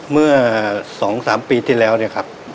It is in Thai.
เมื่อ๒๓ปีที่แล้วเนี่ยครับ